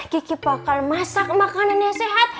kiki bakal masak makanan yang sehat